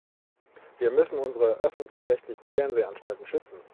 Wir müssen unsere öffentlich-rechtlichen Fernsehanstalten schützen.